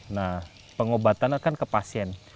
nah pengobatan akan ke pasien